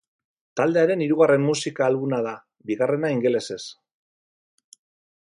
Taldearen hirugarren musika albuma da, bigarrena ingelesez.